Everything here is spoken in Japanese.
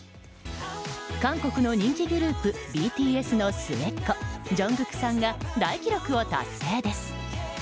韓国の人気グループＢＴＳの末っ子ＪＵＮＧＫＯＯＫさんが大記録を達成です。